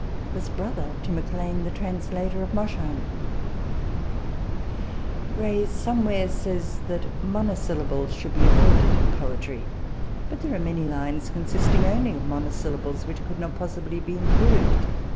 20 RECOLLECTIONS OF THE Gray somewhere says that monosyllables should be avoided in poetry ; but there are many lines consisting only of monosyllables which could not possibly be improved.